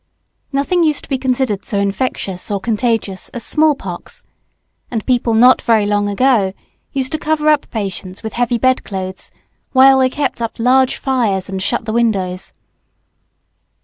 Nothing used to be considered so infectious or contagious as small pox; and people not very long ago used to cover up patients with heavy bed clothes, while they kept up large fires and shut the windows.